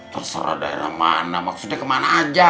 terserah daerah mana maksudnya kemana aja